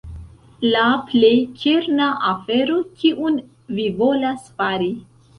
La plej kerna afero kiun vi volas fari.